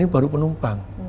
ini baru penumpang